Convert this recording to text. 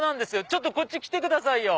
ちょっとこっち来てくださいよ。